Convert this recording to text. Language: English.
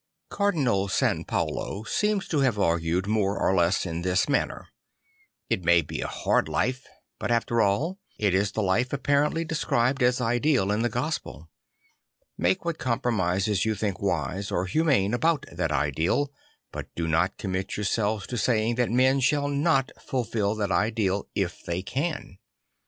Cardinal San Paolo seems to have argued more or less in this manner: it may be a hard life, but q'he q'hree Orders 12 5 after all it is the life apparently described as ideal in the Gospel; make what compromises you think wise or humane about that ideal; but do not commit yourselves to saying that men shall not fulfil that ideal if they can.